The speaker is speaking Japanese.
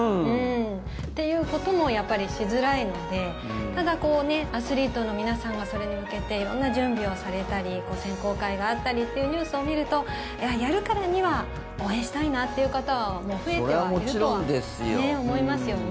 ということもしづらいのでただ、アスリートの皆さんがそれに向けて色んな準備をされたり選考会があったりというニュースを見るとやるからには応援したいなという方は増えてはいるとは思いますね。